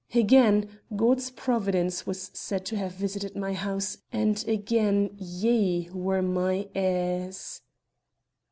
"Again, God's providence was said to have visited my house; and again ye were my heirs."